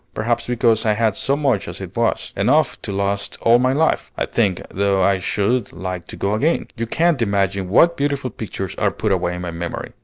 Perhaps because I had so much as it was, enough to last all my life, I think, though I should like to go again. You can't imagine what beautiful pictures are put away in my memory."